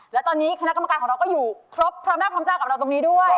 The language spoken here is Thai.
และตอนนี้คุณหน้ากรรมการของเราก็อยู่ครบพร้อมระนาบทำจ้างกับเราตรงนี้ด้วย